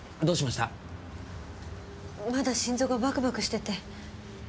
まだ心臓がバクバクしてて。